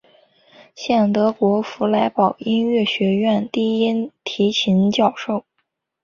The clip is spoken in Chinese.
现德国弗莱堡音乐学院低音提琴教授。